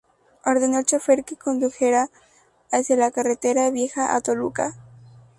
Ordenó al chofer que condujera hacia la carretera Vieja a Toluca.